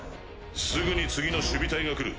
すぐに次の守備隊が来る。